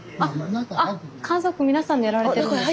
家族皆さんでやられてるんですか？